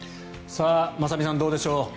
雅美さん、どうでしょう。